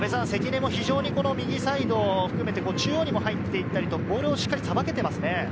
関根も非常に右サイド含めて中央にも入っていったりと、ボールをしっかりさばけてますね。